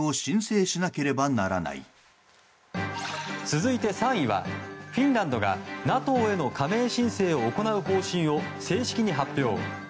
続いて３位はフィンランドがＮＡＴＯへの加盟申請を行う方針を正式に発表。